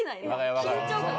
緊張感が。